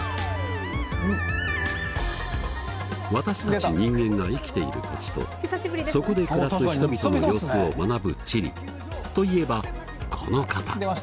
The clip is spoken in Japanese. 私たち人間が生きている土地とそこで暮らす人々の様子を学ぶ「地理」といえばこの方！出ました！